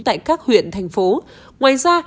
tại các huyện thành phố ngoài ra